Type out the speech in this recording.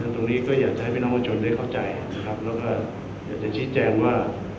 ตรงนี้ก็อยากจะให้พี่น้องประชาชนได้เข้าใจนะครับแล้วก็อยากจะชี้แจงว่า